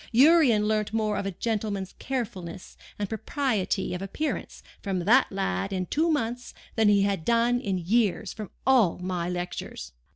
Urian learnt more of a gentleman's carefulness and propriety of appearance from that lad in two months than he had done in years from all my lectures.